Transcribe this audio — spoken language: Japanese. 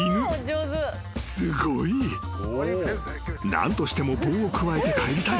［何としても棒をくわえて帰りたい］